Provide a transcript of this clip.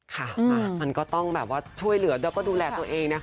ค่ะมันก็ต้องช่วยเหลือแล้วก็ดูแลตัวเองนะครับ